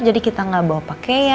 jadi kita gak bawa pakaian